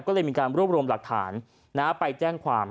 ก็เลยมีการรวบรวมหลักฐานไปแจ้งความ